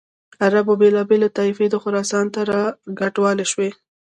عربو بېلابېلې طایفې خراسان ته را کډوالې شوې.